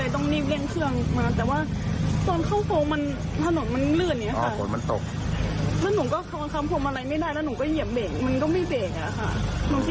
ตอนแรกมันแบบสายไปมาอย่างนี้